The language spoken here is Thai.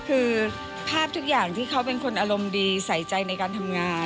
คือภาพทุกอย่างที่เขาเป็นคนอารมณ์ดีใส่ใจในการทำงาน